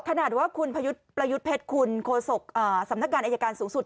ขนาดว่าคุณประยุทธ์เพชรคุณโฆษกสำนักงานอายการสูงสุด